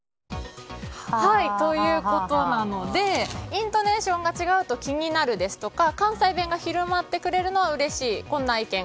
イントネーションが違うと気になるですとか関西弁が広まってくれるのはうれしい。